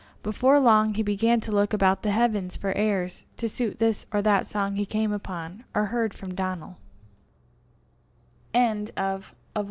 Before long he began to look about the heavens for airs to suit this or that song he came upon, or heard from